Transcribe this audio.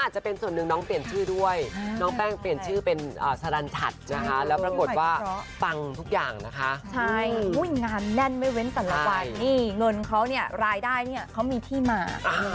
ใช่ค่ะแล้วก็ปังมา